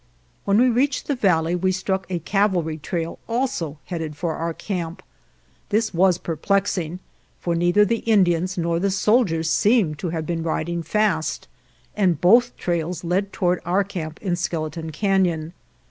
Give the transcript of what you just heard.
When we reached the valley we struck a cavalry trail also headed for our camp. This was perplexing, for neither the Indians nor the soldiers seemed to have been riding fast, and both trails led toward our camp in Skeleton Canon.